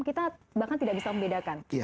kita bahkan tidak bisa membedakan